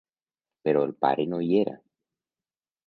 Però el pare no hi era.